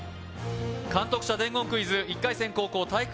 監督車伝言クイズ１回戦後攻体育会